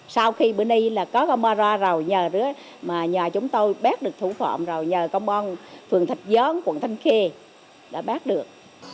sau khi bữa nay là có camera rồi nhà chúng tôi bác được thủ phạm rồi nhờ công an phường thạc gián quận thanh khê đã bác được